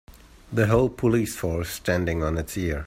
The whole police force standing on it's ear.